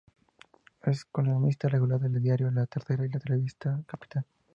Es columnista regular del diario "La Tercera" y de la revista "Capital".